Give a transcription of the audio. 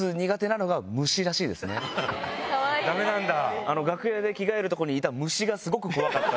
ダメなんだ。